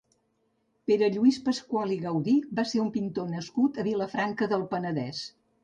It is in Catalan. Pere Lluís Pasqual i Gaudí va ser un pintor nascut a Vilafranca del Penedès.